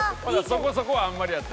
そこそこはあんまりやった？